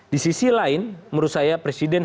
di sisi lain menurut saya presiden